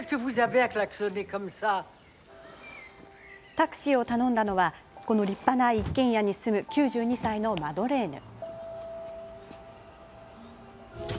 タクシーを頼んだのは立派な一軒家に住む９２歳のマドレーヌ。